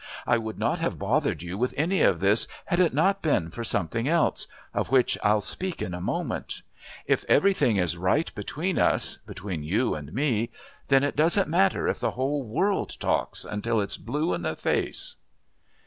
I would not have bothered you with any of this had it not been for something else of which I'll speak in a moment. If everything is right between us between you and me then it doesn't matter if the whole world talks until it's blue in the face."